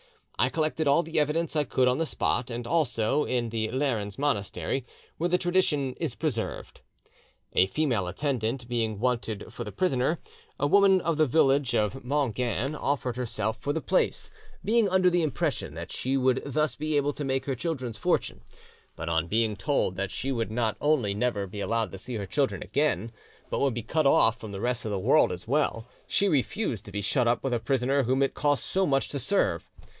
I collected all the evidence I could on the spot, and also in the Lerins monastery, where the tradition is preserved. "A female attendant being wanted for the prisoner, a woman of the village of Mongin offered herself for the place, being under the impression that she would thus be able to make her children's fortune; but on being told that she would not only never be allowed to see her children again, but would be cut off from the rest of the world as well, she refused to be shut up with a prisoner whom it cost so much to serve.